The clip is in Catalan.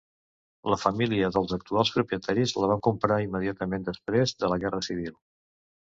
La família dels actuals propietaris la van comprar immediatament després de la Guerra Civil.